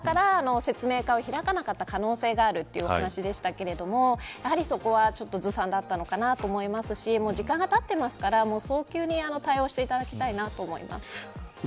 だから説明会を開かなかった可能性があるというお話でしたがやはりそこはずさんだったのかなと思いますしもう時間がたってますから早急に対応していただきたいと思います。